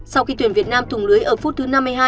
sau khi tuyển việt nam thùng lưới ở phút thứ năm mươi hai